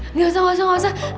nggak usah nggak usah nggak usah